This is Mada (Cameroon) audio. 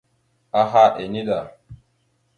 Aha ene da.